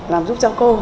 làm giúp cho cô